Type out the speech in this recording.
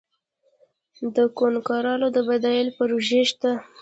د کوکنارو د بدیل پروژې شته؟